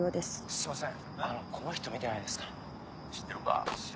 すいません。